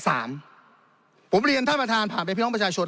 ผมเป็นเรียนท่านประธานหภัยเพียงพี่น้องประชาชน